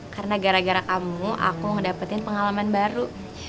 karena gara gara kamu aku mau dapetin pengalaman baru